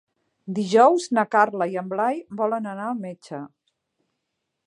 Dijous na Carla i en Blai volen anar al metge.